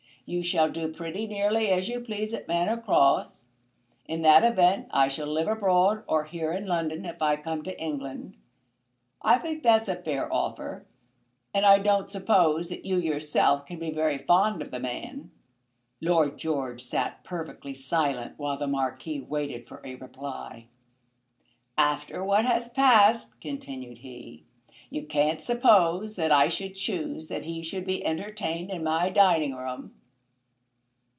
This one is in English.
You shall do pretty nearly as you please at Manor Cross. In that event I shall live abroad, or here in London if I come to England. I think that's a fair offer, and I don't suppose that you yourself can be very fond of the man." Lord George sat perfectly silent while the Marquis waited for a reply. "After what has passed," continued he, "you can't suppose that I should choose that he should be entertained in my dining room."